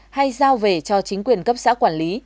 hay giao về cho chính quyền cấp xã quản lý